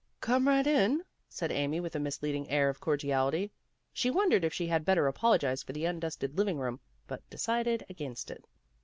"Come right in," said Amy with a mislead ing air of cordiality. She wondered if she had better apologize for the undusted living room, but decided against it.